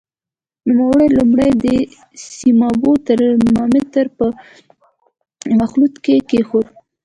نوموړی لومړی د سیمابو ترمامتر په مخلوط کې کېښود.